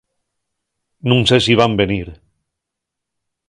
Nun sé si van venir.